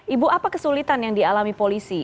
ibu apa kesulitan yang dialami polisi